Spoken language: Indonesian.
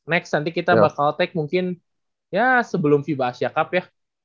next nanti kita bakal tag mungkin ya sebelum fiba asia cup ya